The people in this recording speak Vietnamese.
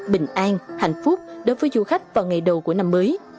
bình an hạnh phúc đối với du khách vào ngày đầu của năm mới